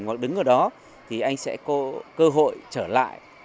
hoặc đứng ở đó thì anh sẽ có cơ hội trở lại